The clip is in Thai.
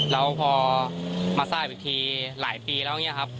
แล้วพอมาทราบอีกทีหลายปีแล้วอย่างนี้ครับ